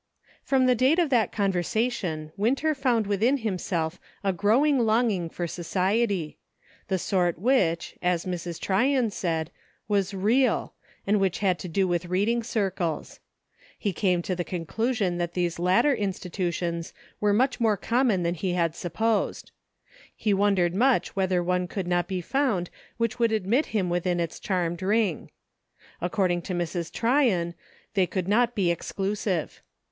FROM the date of that conversation, Winter found within himself a growing longing for society — the sort which, as Mrs. Tryon said, was "real," and which had to do with reading circles. He came to the conclusion that these latter insti tutions were much more common than he had sup posed. He wondered much whether one could not be found which would admit him within its charmed ring. According to Mrs. Tryon, they could not be exclusive.